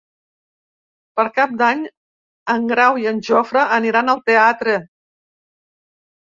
Per Cap d'Any en Grau i en Jofre aniran al teatre.